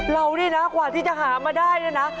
เรานี่นะกว่าที่จะหามาได้เนี่ยนะ